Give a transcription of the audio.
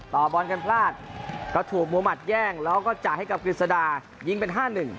ต่อบอลกันพลาดก็ถูกมุมัติแย่งแล้วก็จ่ายให้กับกฤษดายิงเป็น๕๑